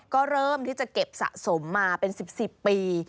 ก็เริ่มที่จะเก็บสะสมมาเป็น๑๐ปี